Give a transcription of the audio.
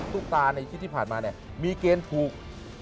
ตุ๊กตาในชีวิตที่ผ่านมาเนี่ยมีเกณฑ์ถูก